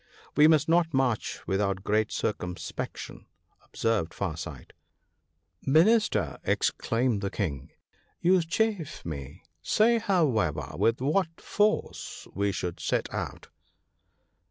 "We must not march without great circumspection," observed Far sight. " Minister !" exclaimed the King, " you chafe me. Say, however, with what force we should set out."